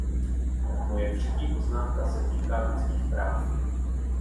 Moje třetí poznámka se týká lidských práv.